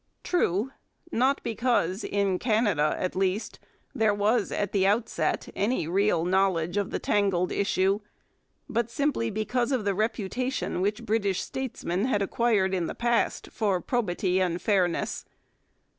True; not because, in Canada, at least, there was at the outset any real knowledge of the tangled issue, but simply because of the reputation which British statesmen had acquired in the past for probity and fairness.